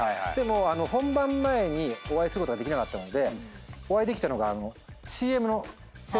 でも本番前にお会いすることができなかったのでお会いできたのが。